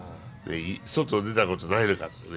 外出たことないのかとかね。